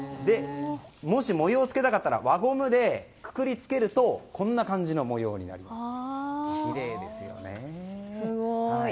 もし、模様をつけたかったら輪ゴムでくくりつけるとこんな感じの模様になってきれいですよね。